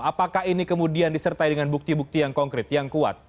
apakah ini kemudian disertai dengan bukti bukti yang konkret yang kuat